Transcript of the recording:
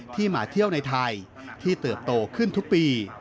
มาเที่ยวในไทยที่เติบโตขึ้นทุกปี